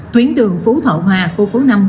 tuyến đường phú thọ hòa khu phú năm